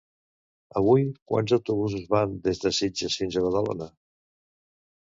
Avui quants autobusos van des de Sitges fins a Badalona?